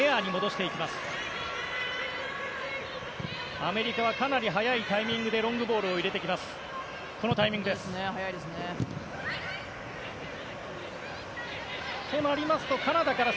アメリカはかなり早いタイミングでロングボールを入れてきます。